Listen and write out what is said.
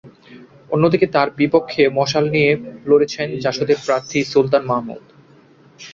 অন্যদিকে তাঁর বিপক্ষে মশাল প্রতীক নিয়ে লড়ছেন জাসদের প্রার্থী সুলতান মাহমুদ।